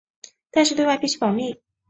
但是对外必须保密。